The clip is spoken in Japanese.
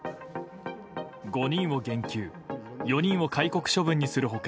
５人を減給４人を戒告処分にする他